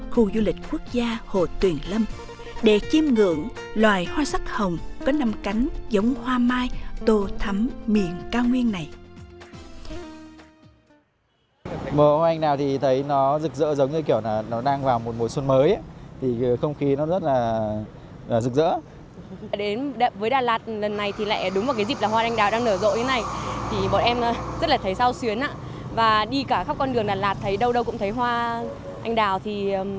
khu du lịch quốc gia hồ tuyền lâm để chiêm ngưỡng loài hoa sắc hồng có năm cánh giống hoa mai tồ thấm miền cao nguyên này